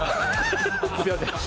すみません。